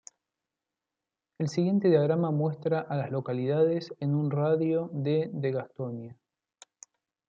El siguiente diagrama muestra a las localidades en un radio de de Gastonia.